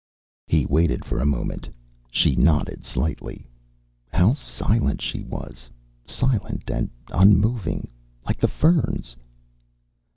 He waited for a moment. She nodded slightly. How silent she was! Silent and unmoving. Like the ferns.